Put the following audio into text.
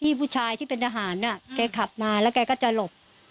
ผู้ชายที่เป็นทหารแกขับมาแล้วแกก็จะหลบ